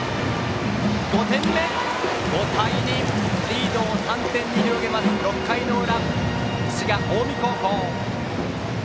５点目入って５対２とリードを３点に広げます６回の裏、滋賀・近江高校。